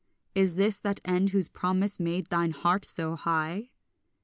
Is this that end whose promise made thine heart so high?